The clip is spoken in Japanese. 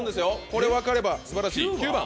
これ分かれば素晴らしい９番。